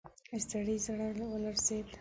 د سړي زړه ولړزېد.